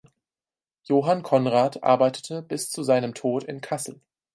Johann Conrad arbeitete bis zu seinem Tod in Kassel.